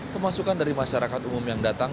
pemasukan dari masyarakat umum yang datang